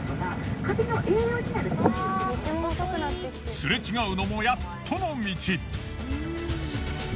すれ違うのもやっとの道。